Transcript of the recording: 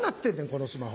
このスマホ。